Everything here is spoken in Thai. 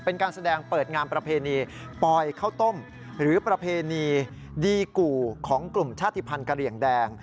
เป็นการแสดงเปิดงานประเพณีปล่อยข้าวต้มหรือประเพณีดีกู่ของกลุ่มชาติภัณฑ์กะเหลี่ยงแดง